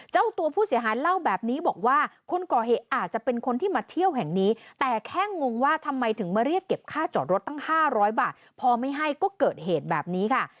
เจ้าตัวผู้เสียหายเล่าแบบนี้บอกว่าคนก่อเหตุอาจจะเป็นคนที่มาเที่ยวแห่งนี้แต่แค่งงว่าทำไมถึงมาเรียกเก็บค่าจอดรถตั้ง๕๐๐บาทพอไม่ให้ก็เกิดเหตุแบบนี้ค่ะ